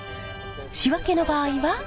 仕分けの場合は。